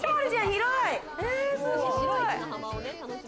広い！